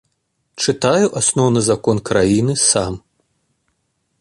Чытаю асноўны закон краіны сам.